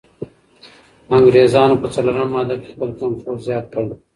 انګریزانو په څلورمه ماده کي خپل کنټرول زیات کړ.